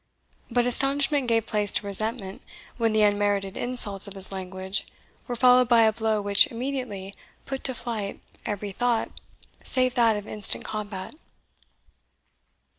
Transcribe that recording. But astonishment gave place to resentment when the unmerited insults of his language were followed by a blow which immediately put to flight every thought save that of instant combat.